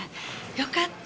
よかった。